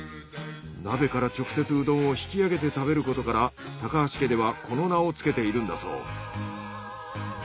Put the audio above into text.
鍋から直接うどんを引き上げて食べることから橋家ではこの名をつけているんだそう。